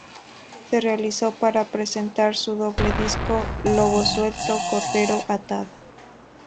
Se realizó para presentar su doble disco Lobo suelto, Cordero atado.